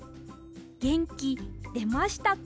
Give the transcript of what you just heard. げんきでましたか？